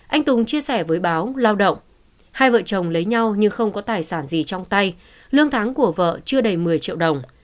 anh tùng chia sẻ với báo lao động hai vợ chồng lấy nhau nhưng không có tài sản gì trong tay lương tháng của vợ chưa đầy một mươi triệu đồng